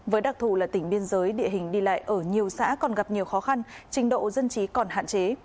với đặc thù là tỉnh biên giới địa hình đi lại ở nhiều xã còn gặp nhiều khó khăn trình độ dân trí còn hạn chế